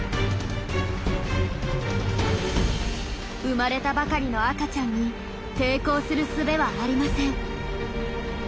生まれたばかりの赤ちゃんに抵抗するすべはありません。